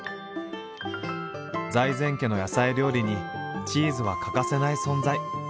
財前家の野菜料理にチーズは欠かせない存在。